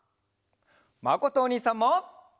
まことおにいさんも。